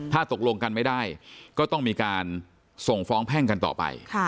ถ้าตกลงกันไม่ได้ก็ต้องมีการส่งฟ้องแพ่งกันต่อไป